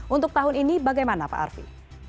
untuk tahun ini bagaimana pak arfi